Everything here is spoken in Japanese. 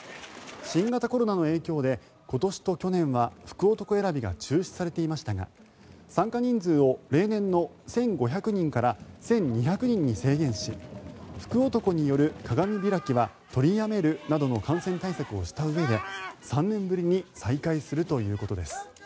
新型コロナの影響で今年と去年は福男選びが中止されていましたが参加人数を例年の１５００人から１２００人に制限し福男による鏡開きは取りやめるなどの感染対策をしたうえで３年ぶりに再開するということです。